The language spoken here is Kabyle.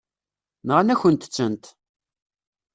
Nɣan-akent-tent.